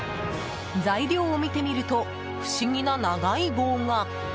材料を見てみると不思議な長い棒が。